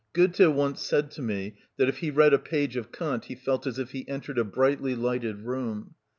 Goethe once said to me that if he read a page of Kant he felt as if he entered a brightly lighted room.